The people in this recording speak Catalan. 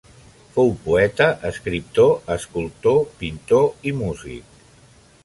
Fou poeta, escriptor, escultor, pintor i músic.